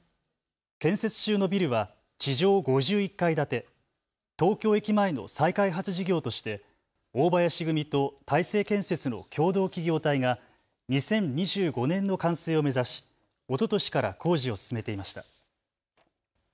建設中のビルは地上５１階建て、東京駅前の再開発事業として大林組と大成建設の共同企業体が２０２５年の完成を目指しおととしから工事を進めていました。